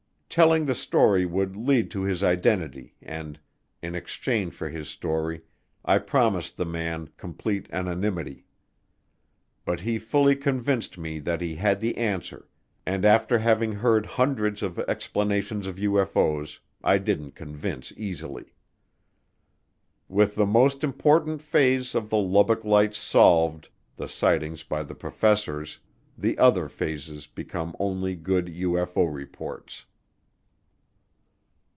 Telling the story would lead to his identity and, in exchange for his story, I promised the man complete anonymity. But he fully convinced me that he had the answer, and after having heard hundreds of explanations of UFO's, I don't convince easily. With the most important phase of the Lubbock Lights "solved" the sightings by the professors the other phases become only good UFO reports.